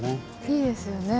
いいですよね。